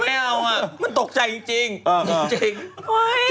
โอเคนี่ก็เอางาเป็นตกใจจริงว้าย